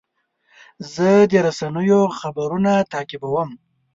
زه د رسنیو خبرونه تعقیبوم.